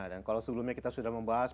dan kalau sebelumnya kita sudah membahas